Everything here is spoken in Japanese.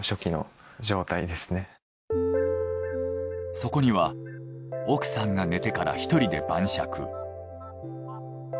そこには「奥さんが寝てから一人で晩酌」。